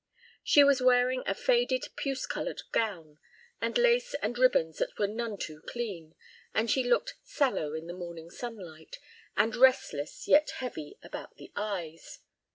She was wearing a faded puce colored gown, and lace and ribbons that were none too clean, and she looked sallow in the morning sunlight, and restless yet heavy about the eyes.